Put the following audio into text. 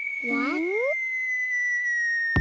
ん？